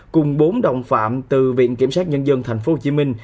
cùng bốn đồng phạm từ viện kiểm sát nhân dân tp hcm